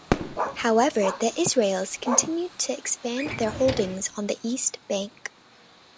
However, the Israelis continued to expand their holdings on the east bank.